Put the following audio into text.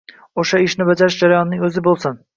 O’sha ishni bajarish jarayonining o’zi bo’lsin.